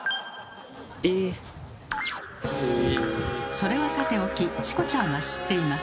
それはさておきチコちゃんは知っています。